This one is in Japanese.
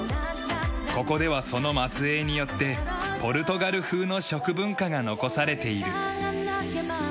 ここではその末裔によってポルトガル風の食文化が残されている。